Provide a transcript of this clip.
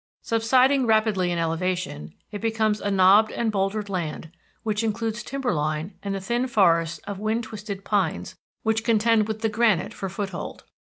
Subsiding rapidly in elevation, it becomes a knobbed and bouldered land which includes timber line and the thin forests of wind twisted pines which contend with the granite for foothold.